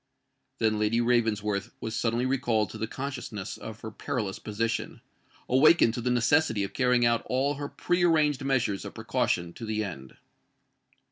Then Lady Ravensworth was suddenly recalled to the consciousness of her perilous position,—awakened to the necessity of carrying out all her pre arranged measures of precaution to the end.